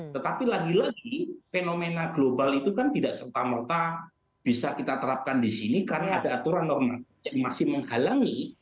tetapi lagi lagi fenomena global itu kan tidak serta merta bisa kita terapkan di sini karena ada aturan normatif yang masih menghalangi